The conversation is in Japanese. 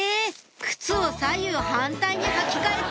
靴を左右反対に履き替えた！